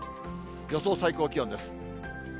予想最高気温です。